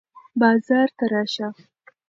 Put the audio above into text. بازار ته راشه.